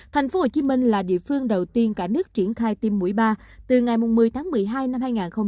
tp hcm là địa phương đầu tiên cả nước triển khai tiêm mũi ba từ ngày một mươi tháng một mươi hai năm hai nghìn hai mươi